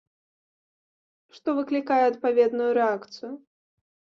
Што выклікае адпаведную рэакцыю.